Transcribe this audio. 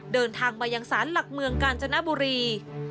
เดินทางมายังศาลหลักเมืองกาญจนบุรี